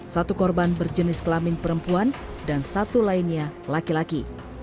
satu korban berjenis kelamin perempuan dan satu lainnya laki laki